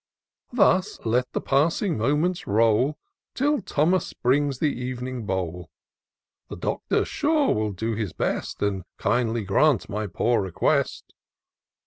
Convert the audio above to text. Thus let the passing moments roll, Till Thomas brings the ev'ning bowl ; The Doctor, sure, will do his best. And kindly grant my poor request."